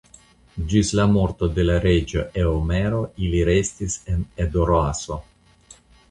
Ĝis la morto de la reĝo Eomero ili restis en Edoraso.